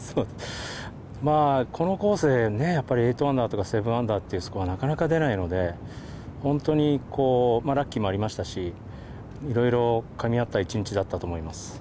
このコースでやっぱり８アンダーとか７アンダーというのはなかなか出ないので、本当にラッキーもありましたし、いろいろかみ合った１日だったと思います。